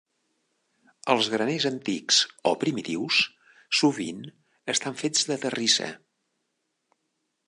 Els graners antics o primitius sovint estan fets de terrissa.